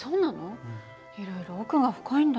いろいろ奥が深いんだね。